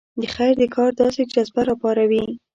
د خیر د کار داسې جذبه راپاروي.